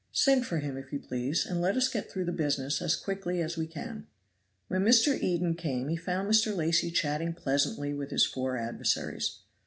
Send for him, if you please, and let us get through the business as quickly as we can." When Mr. Eden came he found Mr. Lacy chatting pleasantly with his four adversaries.